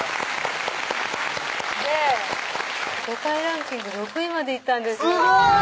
で世界ランキング６位までいったんですすごい！